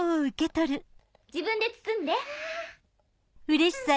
自分で包んで。